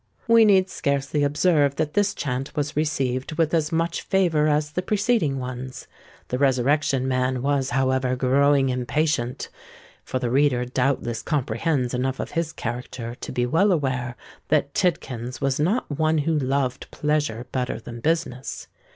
We need scarcely observe that this chant was received with as much favour as the preceding ones. The Resurrection Man was, however, growing impatient; for the reader doubtless comprehends enough of his character to be well aware that Tidkins was not one who loved pleasure better than business.